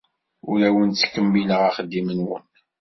Ur awen-ttkemmileɣ axeddim-nwen.